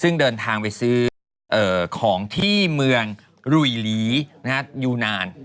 ซึ่งเดินทางไปซื้อของที่เมืองรุยลียูนาน